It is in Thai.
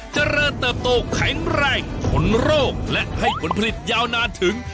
เจริญเติบโตแข็งแรงผลโรคและให้ผลผลิตยาวนานถึง